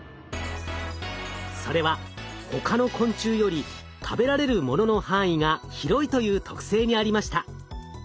それは他の昆虫より食べられるものの範囲が広いという特性にありました。